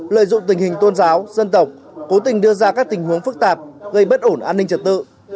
lợi dụng tình hình tôn giáo dân tộc cố tình đưa ra các tình huống phức tạp gây bất ổn an ninh trật tự